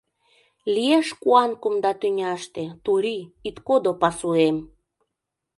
Лиеш куан кумда тӱняште — Турий, ит кодо пасуэм!